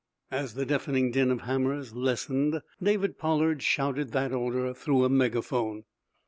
As the deafening din of hammers lessened David Pollard shouted that order through a megaphone.